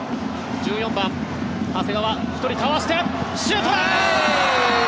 １４番、長谷川１人かわしてシュートだ！